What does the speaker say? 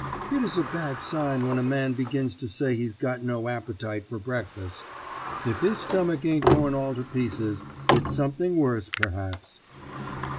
It is a bad sign when a man begins to say he's got no appetite for breakfast. If his stomach ain't going all to pieces, it's something worse, perhaps.